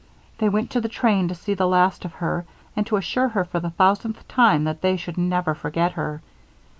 They went to the train to see the last of her and to assure her for the thousandth time that they should never forget her.